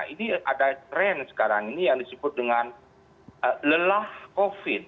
ini ada tren sekarang ini yang disebut dengan lelah covid